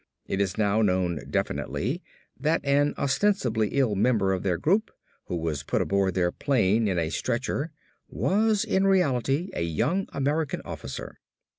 It is now known definitely that an ostensibly ill member of their group who was put aboard their plane in a stretcher was in reality a young American officer.